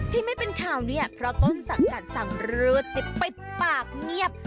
ที่ไม่เป็นข่าวเนี่ยเพราะต้นศักดิ์การสั่งรื้อติดไปปากเงียบ